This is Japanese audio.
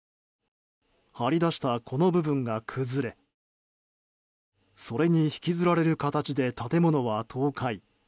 張り出した、この部分が崩れそれに引きずられる形で建物は倒壊。